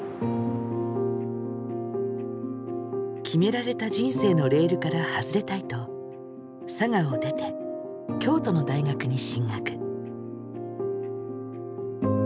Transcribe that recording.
決められた人生のレールから外れたいと佐賀を出て京都の大学に進学。